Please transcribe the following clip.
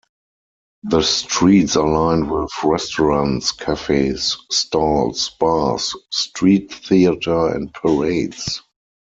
The streets are lined with restaurants, cafes, stalls, bars, street theater and parades.